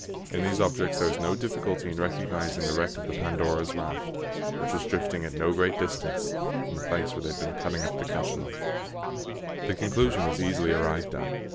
In these objects there was no difficulty in recognising the wreck of the Pandora's raft, which was drifting at no great distance from the place where they had been cutting up the cachalot. The conclusion was easily arrived at.